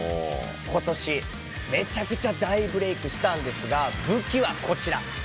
ことし、めちゃくちゃ大ブレークしたんですが、武器はこちら。